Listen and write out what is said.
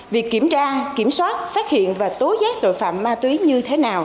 việc kiểm tra kiểm soát phát hiện và tố giác tội phạm ma túy như thế nào